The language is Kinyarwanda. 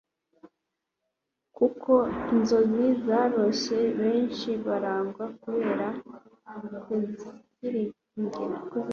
kuko inzozi zaroshye benshi baragwa kubera kuziringira